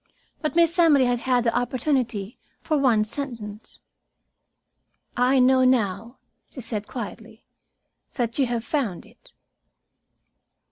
But Miss Emily had had the opportunity for one sentence. "I know now," she said quietly, "that you have found it."